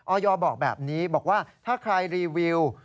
อยบอกแบบนี้บอกว่าถ้าใครรีวิว